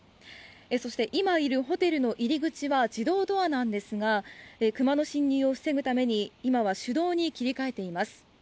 そして、今いるホテルの入り口は自動ドアなんですがクマの侵入を防ぐために今は手動に切り替えています。